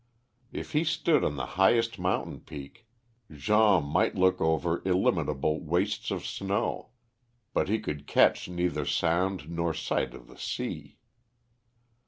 If he stood on the highest mountain peak, Jean might look over illimitable wastes of snow, but he could catch neither sound nor sight of the sea.